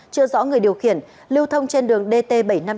chưa rõ người điều khiển lưu thông trên đường dt bảy trăm năm mươi